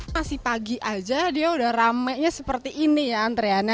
masih pagi aja dia udah ramenya seperti ini ya antreannya